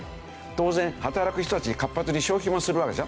当然働く人たち活発に消費もするわけでしょ。